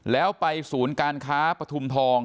แล้วไปศูนย์การค้าปฐุมทอง